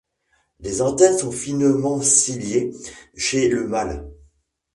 Les antennes sont finement ciliées chez le mâle.